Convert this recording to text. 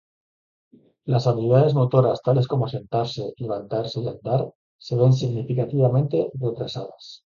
Las habilidades motoras, tales como sentarse, levantarse y andar se ven significativamente retrasadas.